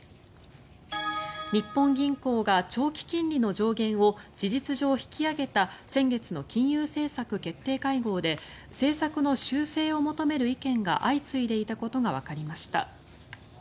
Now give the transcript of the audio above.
日本銀行が長期金利の上限を事実上引き上げた先月の金融政策決定会合で政策の修正を求める意見が相次いでいたことがわかりました。